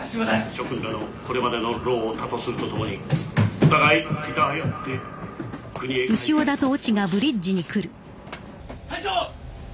諸君らのこれまでの労を多とするとともにお互いいたわり合って国へ帰りたいと思います隊長！